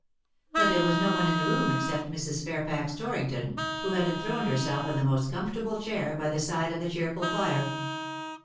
But there was no one in the room except Mrs. Fairfax Torrington, who had enthroned herself in the most comfortable chair, by the side of the cheerful fire.